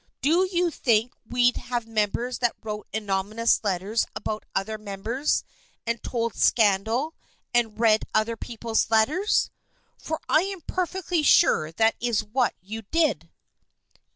Do you think we'd have members that wrote anonymous letters about other members, and told scandal, and read other people's letters f For I am perfectly sure that is what you did."